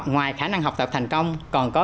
ngoài khả năng học tập thành công còn có